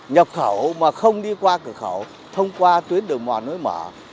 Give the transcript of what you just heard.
nhập khẩu mà không đi qua cửa khẩu thông qua tuyến đường mòn lối mở